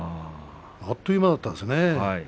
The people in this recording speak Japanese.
あっという間だったですね。